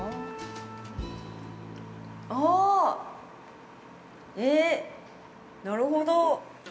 あ、え、なるほど。